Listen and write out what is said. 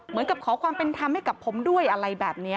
เหมือยกับขอความเป็นทำให้กับผมด้วยอะไรแบบเนี้ย